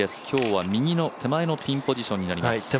今日は右の手前のピンポジションになります。